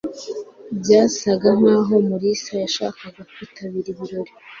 byasaga nkaho mulisa yashakaga kwitabira ibirori